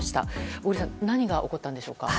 小栗さん何が起こったんでしょうか。